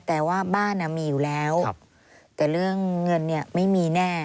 แต่ว่าบ้านมีอยู่แล้วแต่เรื่องเงินเนี่ยไม่มีแน่